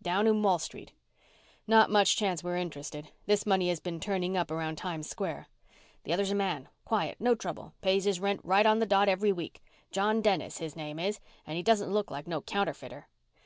"Down in Wall Street." "Not much chance we're interested. This money has been turning up around Times Square." "The other's a man quiet, no trouble, pays his rent right on the dot every week. John Dennis his name is and he doesn't look like no counterfeiter."